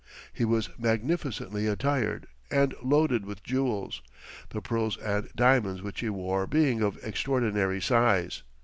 He was magnificently attired, and loaded with jewels, the pearls and diamonds which he wore being of extraordinary size.